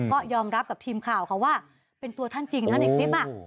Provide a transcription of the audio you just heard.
ก็ยอมรับกับทีมข่าวค่ะว่าเป็นตัวท่านจริงนะในคลิป